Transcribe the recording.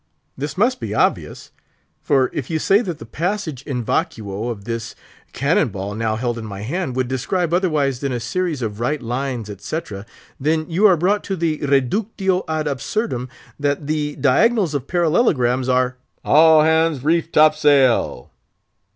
This must be obvious; for, if you say that the passage in vacuo of this cannon ball, now held in my hand, would describe otherwise than a series of right lines, etc., then you are brought to the Reductio ad Absurdum, that the diagonals of parallelograms are——" "All hands reef top sail!"